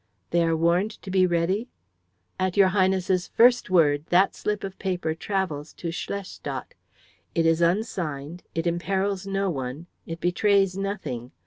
"They are warned to be ready?" "At your Highness's first word that slip of paper travels to Schlestadt. It is unsigned, it imperils no one, it betrays nothing.